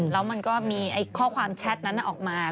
แล้วมันก็มีข้อความแชทนั้นออกมา